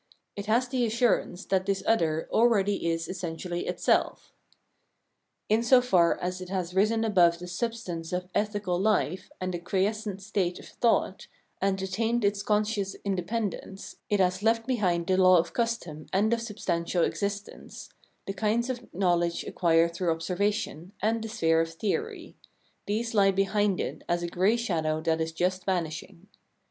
It has the assurance that this other already is essentially itself. In so far as it has risen above the substance of ethical life and the quiescent state of thought, and attained its conscious independence, it has left behind the law of custom and of substantial existence, the kinds of know ledge acquired through observation, and the sphere of theory ; these lie behind it as a gray shadow that is just vanishing.